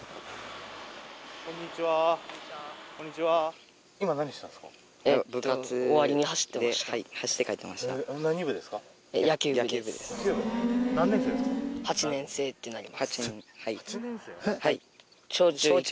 はい。